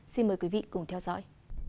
xin mời quý vị cùng theo dõi